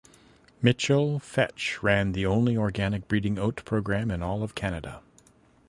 Mitchell Fetch ran the only organic breeding oat program in all of Canada.